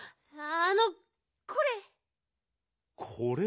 あのこれ！